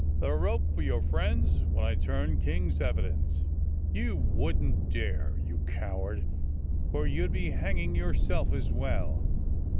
"The rope for your friends when I turn King's evi dence." " You wouldn't dare, you coward, for you'd be hang ing yourself as well."